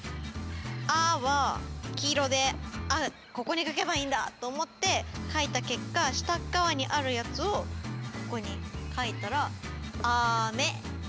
「あ」は黄色でここに書けばいいんだと思って書いた結果下っ側にあるやつをここに書いたら「あめ」。